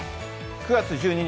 ９月１２日